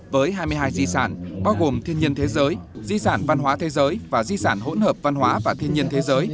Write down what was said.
với hai mươi hai di sản bao gồm thiên nhiên thế giới di sản văn hóa thế giới và di sản hỗn hợp văn hóa và thiên nhiên thế giới